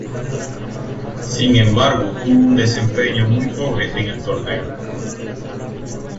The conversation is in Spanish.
Sin embargo tuvo un desempeño muy pobre en el torneo.